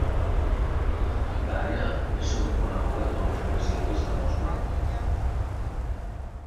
L'àrea es sovint coneguda com als municipis de Mosborough.